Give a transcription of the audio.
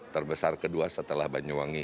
terbesar kedua setelah banyuwangi